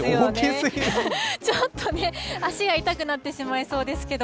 ちょっとね、足が痛くなってしまいそうですけど。